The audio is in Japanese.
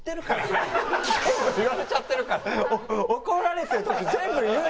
全部拾われちゃってるから怒られてる時全部言うなよ！